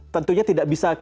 tentunya tidak bisa